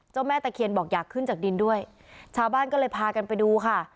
แม่ตะเคียนบอกอยากขึ้นจากดินด้วยชาวบ้านก็เลยพากันไปดูค่ะ